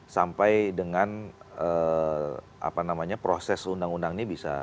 sampai dengan apa namanya proses undang undang ini bisa